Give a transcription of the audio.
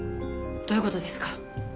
どういう事ですか？